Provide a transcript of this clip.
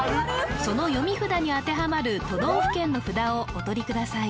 その読み札に当てはまる都道府県の札をおとりください